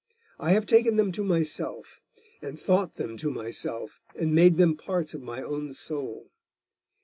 I have taken them to myself, and thought them to myself, and made them parts of my own soul.